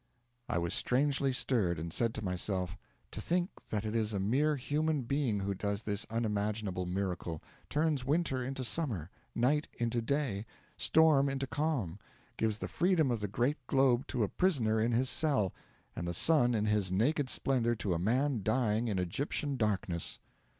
I was strangely stirred, and said to myself: 'To think that it is a mere human being who does this unimaginable miracle turns winter into summer, night into day, storm into calm, gives the freedom of the great globe to a prisoner in his cell, and the sun in his naked splendour to a man dying in Egyptian darkness.'